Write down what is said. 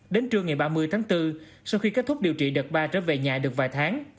đến trưa ngày ba mươi tháng bốn sau khi kết thúc điều trị đợt ba trở về nhà được vài tháng